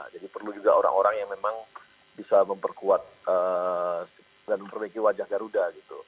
jadi perlu juga orang orang yang memang bisa memperkuat dan memperbaiki wajah garuda